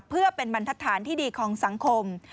เพื่อเป็นบรรทัศนที่ดีของสังคม